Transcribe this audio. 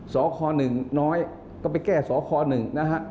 สค๑น้อยก็ไปแก้สค๑นะฮะ